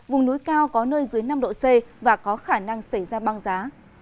vùng núi cao có nơi dưới năm độ c và có khả năng xảy ra băng giá